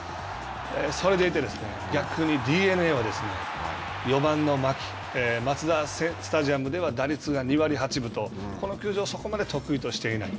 それでいて、逆にＤｅＮＡは、４番の牧マツダスタジアムでは、打率２割８分とこの球場をそこまで得意としていない。